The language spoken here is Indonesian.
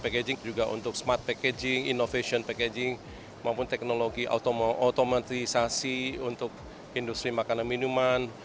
packaging juga untuk smart packaging innovation packaging maupun teknologi otomatisasi untuk industri makanan minuman